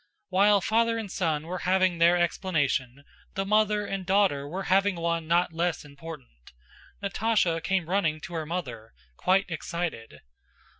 While father and son were having their explanation, the mother and daughter were having one not less important. Natásha came running to her mother, quite excited.